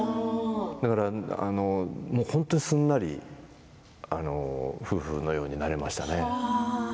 だから本当にすんなり夫婦のようになれましたね。